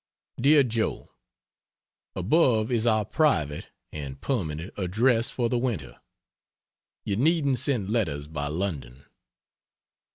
DEAR JOE, Above is our private (and permanent) address for the winter. You needn't send letters by London.